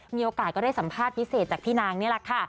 มีโอกาสก็ได้สัมภาษณ์พิเศษจากพี่นางนี่แหละค่ะ